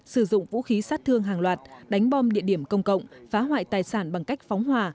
sử dụng vũ khí sát thương hàng loạt đánh bom địa điểm công cộng phá hoại tài sản bằng cách phóng hỏa